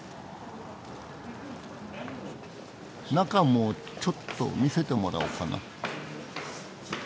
中もちょっと見せてもらおうかな。